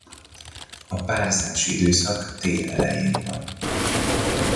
A párzási időszak tél elején van.